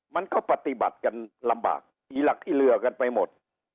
มันก็ปฏิบัติกันลำบากอีหลักอีเหลือกันไปหมด